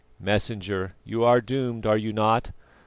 Messenger, you are doomed, are you not?